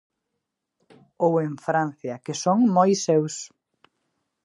Ou en Francia, que son moi seus.